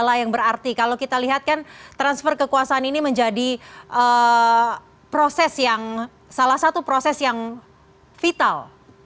salah yang berarti kalau kita lihat kan transfer kekuasaan ini menjadi proses yang salah satu proses yang vital